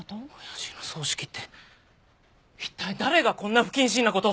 親父の葬式って一体誰がこんな不謹慎な事！